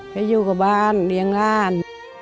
ไปอยู่กับบ้านเลี้ยงหลาน